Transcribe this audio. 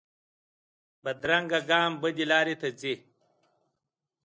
بدرنګه ګام بدې لارې ته ځي